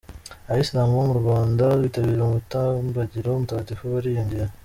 Abayisilamu bo mu Rwanda bitabira umutambagiro mutagatifu bariyongera